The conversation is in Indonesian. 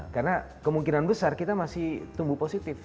karena kemungkinan besar kita masih tumbuh positif